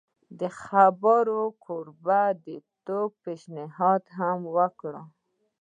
د خبرو کوربه توب پېشنهاد یې هم وکړ.